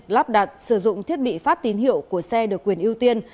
lắp đặt sử dụng thiết bị phát tín hiệu của xe được quyền ưu tiên